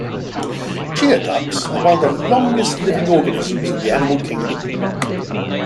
Geoducks are one of the longest-living organisms in the animal kingdom.